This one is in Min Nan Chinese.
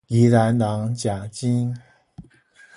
宜蘭人食精